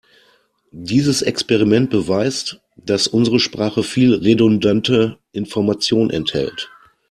Dieses Experiment beweist, dass unsere Sprache viel redundante Information enthält.